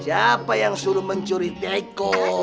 siapa yang suruh mencuri teko